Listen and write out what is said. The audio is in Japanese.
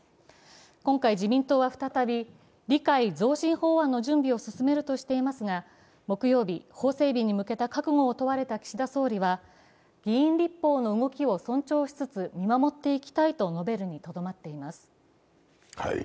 今回、自民党は再び、理解増進法案の準備を進めるとしていますが、木曜日、法整備に向けた覚悟を問われた岸田総理は、議員立法の動きを尊重しつつ見守っていきたいと述べるにとどまっています。